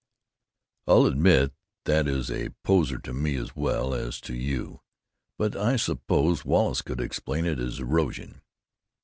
"I'll admit that is a poser to me as well as to you. But I suppose Wallace could explain it as erosion.